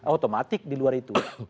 otomatis di luar itu